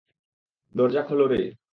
দরজা খোল রে।